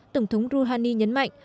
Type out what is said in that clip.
tổng thống rouhani nhấn mạnh